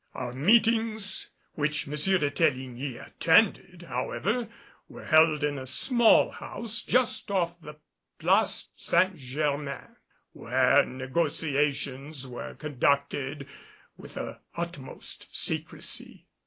Our meetings, which M. de Teligny attended, however, were held in a small house just off the Place St. Germain, where negotiations were conducted, with the utmost secrecy.